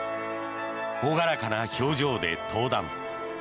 朗らかな表情で登壇。